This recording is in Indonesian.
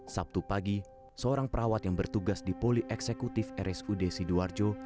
sabtu pagi seorang perawat yang bertugas di poli eksekutif rsud sidoarjo